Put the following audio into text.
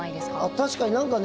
確かに何かね